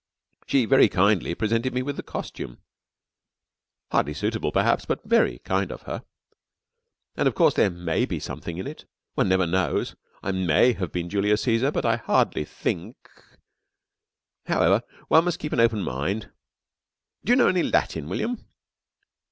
She very kindly presented me with the costume. Hardly suitable, perhaps, but very kind of her. And, of course, there may be something in it. One never knows. I may have been Julius Cæsar, but I hardly think however, one must keep an open mind. Do you know any Latin, William?"